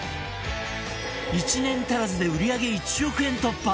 １年足らずで売り上げ１億円突破